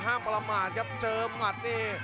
ห้ามประมาณครับเจอมัดนี่